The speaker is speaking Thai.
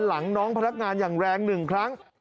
หลังน้องพนักงานอย่างแรง๑ครั้ง